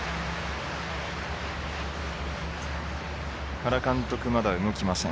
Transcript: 原監督はまだ動きません。